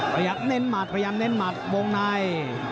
เน้นหมัดพยายามเน้นหมัดวงใน